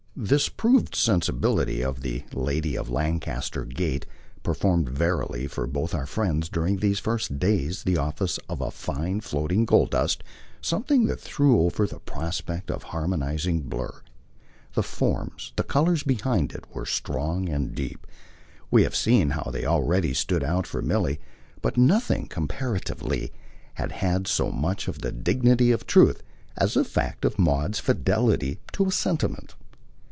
This proved sensibility of the lady of Lancaster Gate performed verily for both our friends during these first days the office of a fine floating gold dust, something that threw over the prospect a harmonising blur. The forms, the colours behind it were strong and deep we have seen how they already stood out for Milly; but nothing, comparatively, had had so much of the dignity of truth as the fact of Maud's fidelity to a sentiment.